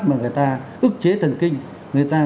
mà người ta ức chế thần kinh người ta